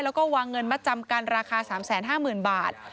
แล้วก็วางเงินมาจำกันราคา๓๕๐๐๐บาท